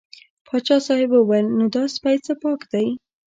پاچا صاحب وویل نو دا سپی څه پاک دی.